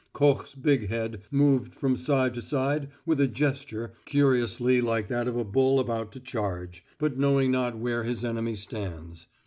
Koch's big head moved from side to side with a gesture curiously like that of a bull about to charge, but knowing not where his enemy stands.